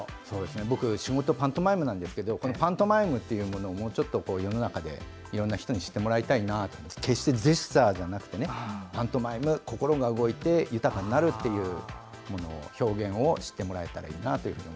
僕、仕事パントマイムなんですけどパントマイムをもうちょっと世の中でいろんな人に知ってもらいたいなと。決してジェスチャーじゃなくパントマイム、心が動いて豊かになるという表現を知ってもらえたらと思います。